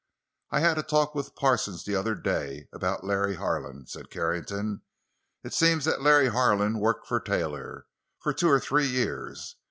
"I had a talk with Parsons the other day—about Larry Harlan," said Carrington. "It seems that Larry Harlan worked for Taylor—for two or three years.